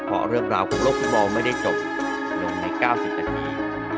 เพราะเรื่องราวของโลกฟุตบอลไม่ได้จบลงใน๙๐นาที